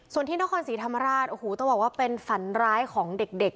ส่วนที่นครศรีธรรมราชโอ้โหต้องบอกว่าเป็นฝันร้ายของเด็ก